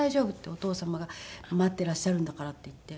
「お父様が待ってらっしゃるんだから」って言って。